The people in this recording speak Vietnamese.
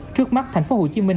trước mắt thành phố hồ chí minh